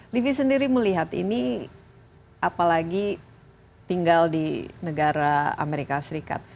livi sendiri melihat ini apalagi tinggal di negara amerika serikat